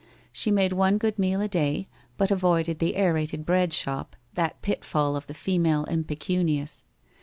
She made one good meal a day, but avoided the aerated breadshop, that pitfall of the female impecu nious.